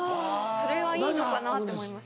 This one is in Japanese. それはいいのかなって思います。